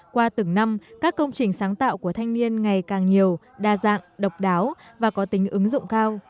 qua từng năm các công trình sáng tạo của thanh niên ngày càng nhiều đa dạng độc đáo và có tính ứng dụng cao